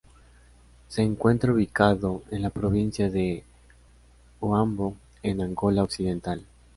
Se encuentra ubicado en la provincia de Huambo en Angola occidental.